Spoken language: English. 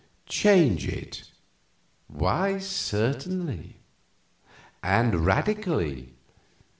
"Change it? Why, certainly. And radically.